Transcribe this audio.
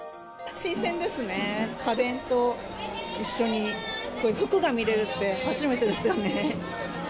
家電と一緒にこういう服が見れるって初めてですよね。